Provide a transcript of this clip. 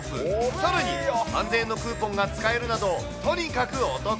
さらに３０００円のクーポンが使えるなど、とにかくお得。